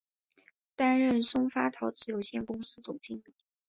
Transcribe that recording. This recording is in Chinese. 担任松发陶瓷有限公司总经理。